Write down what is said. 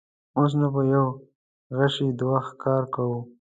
اوس نو په یوه غیشي دوه ښکاره کوو.